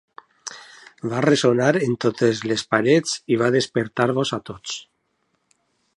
Va ressonar per totes les parets i va despertar-vos a tots.